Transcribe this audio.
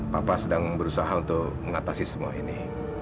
bapak sedang berusaha untuk mengatasi semua ini